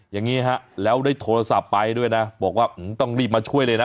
อย่างนี้ฮะแล้วได้โทรศัพท์ไปด้วยนะบอกว่าต้องรีบมาช่วยเลยนะ